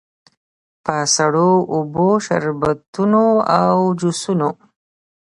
په سړو اوبو، شربتونو او جوسونو.